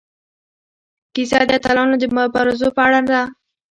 کیسه د اتلانو د مبارزو په اړه ده.